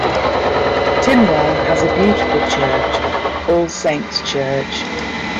Tinwell has a beautiful church - All Saints' Church.